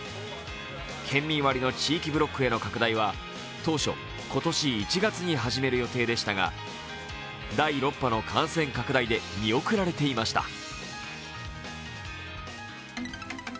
県民割りの地域ブロックへの拡大は当初今年１月に始める予定でしたが第６波の感染拡大で見送られていました。